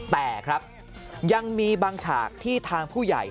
แต่ครับยังมีบางฉากที่ทางผู้ใหญ่